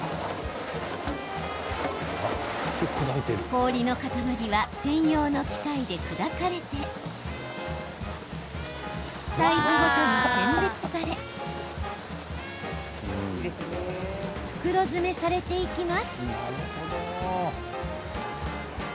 氷の塊は専用の機械で砕かれてサイズごとに選別され袋詰めされていきます。